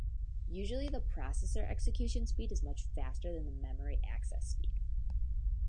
Usually the processor execution speed is much faster than the memory access speed.